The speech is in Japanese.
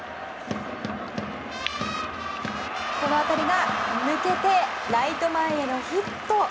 この当たりが抜けてライト前へのヒット。